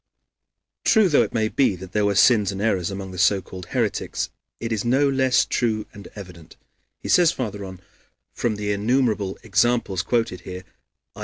"True though it may be that there were sins and errors among the so called heretics, it is no less true and evident," he says farther on, "from the innumerable examples quoted here (i.